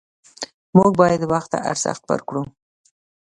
موږ باید وخت ته ارزښت ورکړو